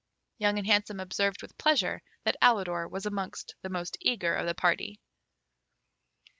Young and Handsome observed with pleasure that Alidor was amongst the most eager of the party.